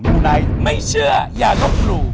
ูไนท์ไม่เชื่ออย่าลบหลู่